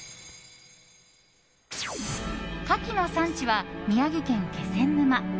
カキの産地は宮城県気仙沼。